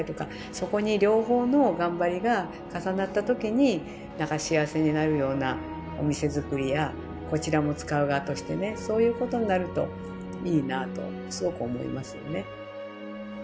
そこに両方の頑張りが重なった時になんか幸せになるようなお店づくりやこちらも使う側としてねそういうことになるといいなあとすごく思いますよね。